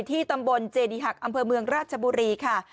ที่ตำบลเจดีหักอำเภอเมืองราชบุรีค่ะ